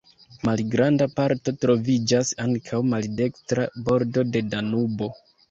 Malgranda parto troviĝas ankaŭ maldekstra bordo de Danubo.